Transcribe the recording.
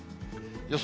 予想